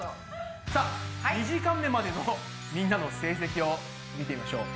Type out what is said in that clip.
さあ２時間目までのみんなの成績を見てみましょう。